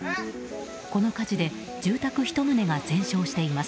この火事で住宅１棟が全焼しています。